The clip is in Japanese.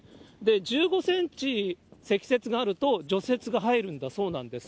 １５センチ積雪があると、除雪が入るんだそうなんです。